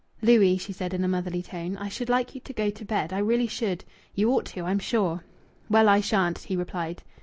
"Louis," she said in a motherly tone, "I should like you to go to bed. I really should. You ought to, I'm sure." "Well, I shan't," he replied.